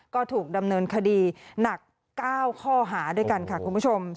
ก็ถูกดำเนินคดีหนัก๙ข้อหาด้วยกันค่ะคุณผู้ชม